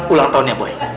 ulang tahunnya boy